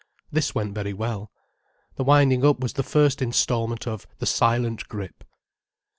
This went very well. The winding up was the first instalment of "The Silent Grip."